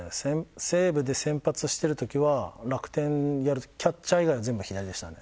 西武で先発してる時は楽天キャッチャー以外は全部左でしたね。